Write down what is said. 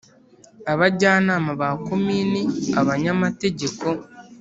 abajyanama ba komini, abanyamategeko,